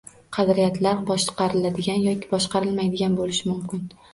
Qadriyatlar boshqariladigan yoki boshqarilmaydigan bo’lishi mumkin